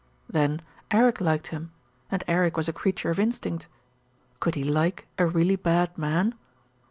Then Eric liked him, and Eric was a creature of in stinct. Could he like a really bad man?